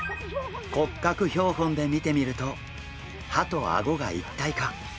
骨格標本で見てみると歯とあごが一体化！